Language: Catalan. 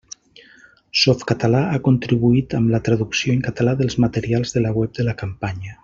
Softcatalà ha contribuït amb la traducció en català dels materials de la web de la campanya.